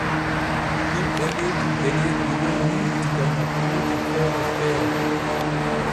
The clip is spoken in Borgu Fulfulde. Himɓe leydi Bene ƴiwoy nun diga nokkuuje feere feere.